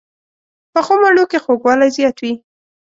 پخو مڼو کې خوږوالی زیات وي